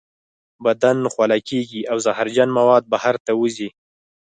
بدن خوله کیږي او زهرجن مواد بهر ته وځي.